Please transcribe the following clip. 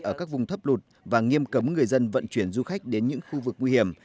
ở các vùng thấp lụt và nghiêm cấm người dân vận chuyển du khách đến những khu vực nguy hiểm